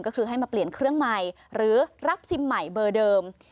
ก็คือให้มาเปลี่ยนเครื่องใหม่หรือรับซิมใหม่เบอร์เดิม